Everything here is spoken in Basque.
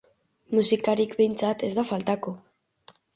Musikarik behintzat ez da faltako.